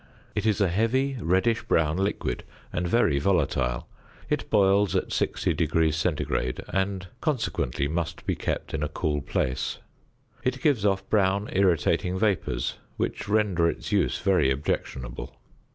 It is a heavy reddish brown liquid and very volatile. It boils at 60° C., and, consequently, must be kept in a cool place. It gives off brown irritating vapours, which render its use very objectionable.